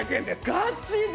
ガチで！？